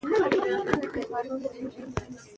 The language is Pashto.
انا خپل عبادت په پوره تمرکز سره پیل کړ.